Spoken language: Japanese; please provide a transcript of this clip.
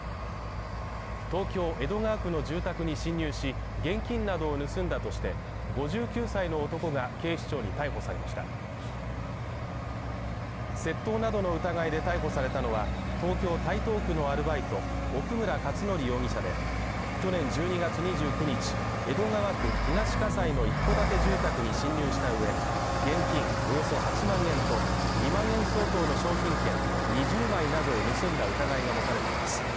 東京江戸川区の住宅に侵入し、現金などを盗んだとして、５９歳の男が警視庁に逮捕されました窃盗などの疑いで逮捕されたのは、東京台東区のアルバイト奥村勝典容疑者で、去年１２月２９日江戸川区東葛西の一戸建て住宅に侵入した上、現金およそ８万円と、２万円相当の商品券２０枚などを盗んだ疑いが持たれています。